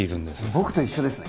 僕と一緒ですね